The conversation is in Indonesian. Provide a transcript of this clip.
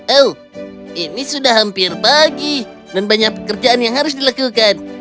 oh ini sudah hampir bagi dan banyak pekerjaan yang harus dilakukan